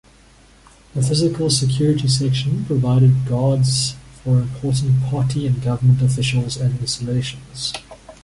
The physical security section provided guards for important party and government officials and installations.